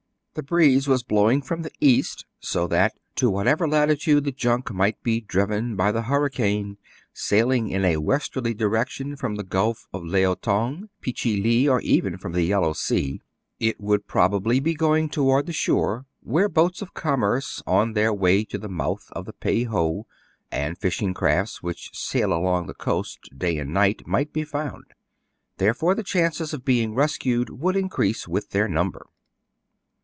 The breeze was blowing from the east, so that to whatever latitude the junk might be driven by the hurricane, sailing in a westerly direction from the Gulf of Leao Tong, Pe che lee, or even from the Yellow Sea, it would probably be going towards the shore where boats of commerce on their way to the mouth of the Pei ho, and fishing crafts which sail along the coast day and night might be found : therefore the chances of being rescued would increase with their number.